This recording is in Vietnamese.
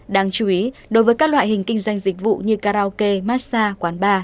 đáng chú ý đối với các loại hình kinh doanh dịch vụ như karaoke massage quán bar